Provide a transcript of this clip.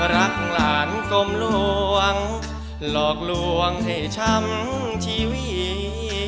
รักหลานกลมหลวงหลอกลวงให้ช้ำชีวิต